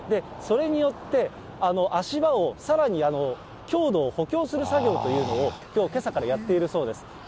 それによって、足場をさらに強度を補強する作業というのを、きょうのけさからやっているそうです。